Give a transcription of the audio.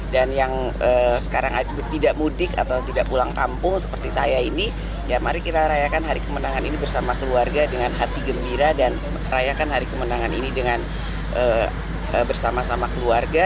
dan yang sekarang tidak mudik atau tidak pulang kampung seperti saya ini ya mari kita rayakan hari kemenangan ini bersama keluarga dengan hati gembira dan rayakan hari kemenangan ini bersama sama keluarga